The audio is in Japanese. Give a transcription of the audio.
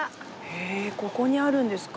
へえここにあるんですか。